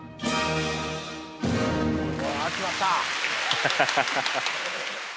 ハハハハ。